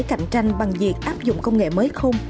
cạnh tranh bằng việc áp dụng công nghệ mới không